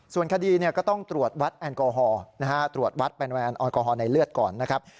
ส่วนคดีก็ต้องตรวจวัดแอนโกฮอลตรวจวัดแอนโกฮอลในเลือดก่อนนะครับ